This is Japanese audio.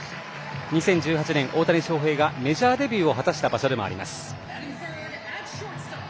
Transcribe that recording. ２０１８年、大谷翔平がメジャーデビューを果たした場所でもあります。